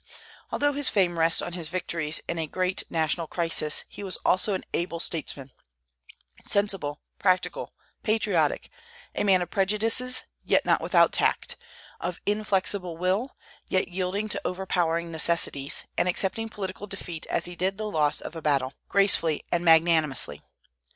Although his fame rests on his victories in a great national crisis, he was also an able statesman, sensible, practical, patriotic; a man of prejudices, yet not without tact; of inflexible will, yet yielding to overpowering necessities, and accepting political defeat as he did the loss of a battle, gracefully and magnanimously.